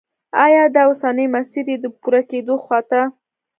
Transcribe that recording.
آیا دا اوسنی مسیر یې د پوره کېدو خواته